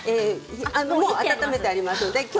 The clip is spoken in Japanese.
もう温めてあります。